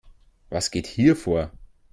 Was geht hier vor?